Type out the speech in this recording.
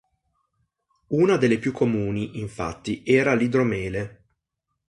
Una delle più comuni, infatti, era l'idromele.